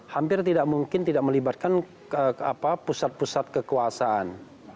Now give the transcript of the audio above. hampir tidak mungkin tidak melibatkan pusat pusat kekuasaan